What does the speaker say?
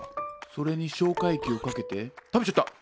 それに消化液をかけて食べちゃった。